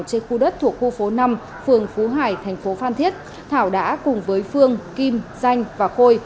trên khu đất thuộc khu phố năm phường phú hải thành phố phan thiết thảo đã cùng với phương kim danh và khôi